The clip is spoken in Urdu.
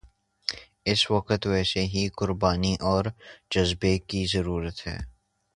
اس وقت ویسی ہی قربانی اور جذبے کی ضرورت ہے